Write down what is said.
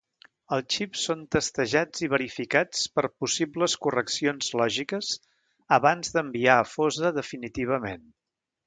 Els xips són testejats i verificats per possibles correccions lògiques abans d'enviar a fosa definitivament.